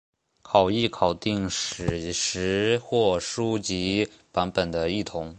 考异考订史实或书籍版本的异同。